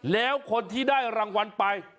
แล้วคนที่ได้รางวัลไป